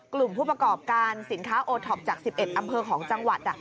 กลุ่มผู้ประกอบการสินค้าโอท็อปจาก๑๑อำเภอของจังหวัด